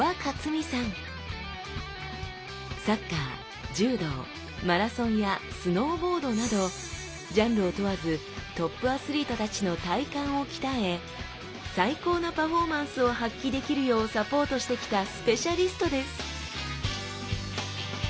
サッカー柔道マラソンやスノーボードなどジャンルを問わずトップアスリートたちの体幹を鍛え最高のパフォーマンスを発揮できるようサポートしてきたスペシャリストです！